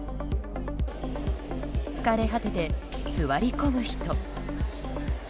疲れ果てて座り込む人。